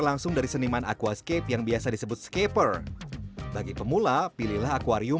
langsung dari seniman aquascape yang biasa disebut skaper bagi pemula pilihlah akwarium